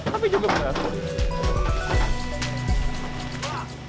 tapi juga berhasil